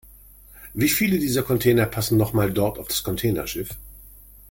Wie viele dieser Container passen noch mal dort auf das Containerschiff?